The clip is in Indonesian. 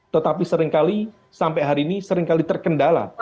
tetapi seringkali sampai hari ini seringkali terkendala